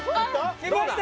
きました！